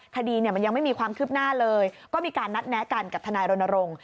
คดีมันยังไม่มีความคืบหน้าเลยก็มีการนัดแนะกันกับทนายรณรงค์